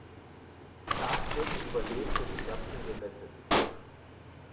Tag wird die überlebende Besatzung gerettet.